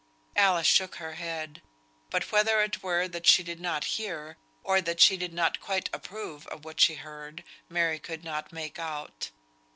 Alice shook her head; but whether it were that she did not hear, or that she did not quite approve of what she heard, Mary could not make out.